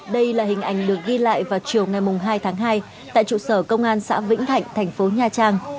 đây là hình ảnh được ghi lại vào chiều ngày hai tháng hai tại trụ sở công an xã vĩnh thạnh thành phố nha trang